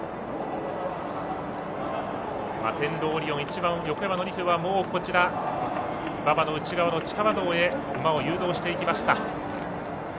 マテンロウオリオン、１番横山典弘は馬場の内側の地下馬道へ馬を誘導していきました。